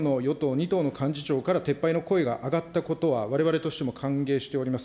２党の幹事長から撤廃の声が上がったことは、われわれとしても歓迎しております。